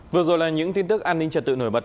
vừa rồi là những tin tức an ninh trật tự nổi bật